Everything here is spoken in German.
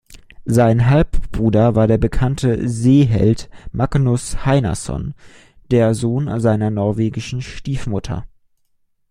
Sein Halbbruder war der bekannte Seeheld Magnus Heinason, der Sohn seiner norwegischen Stiefmutter.